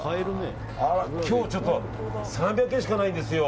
今日、３００円しかないんですよ。